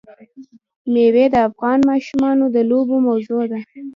مېوې د افغان ماشومانو د لوبو موضوع ده.